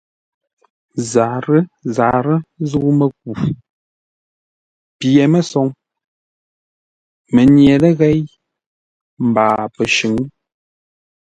Zarə́-zarə́ zə̂u-mə́ku: pye-mə́soŋ, mənyeləghěi mbaa pəshʉ̌ŋ.